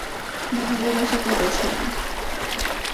ভালোবাসাকে বেছে নাও।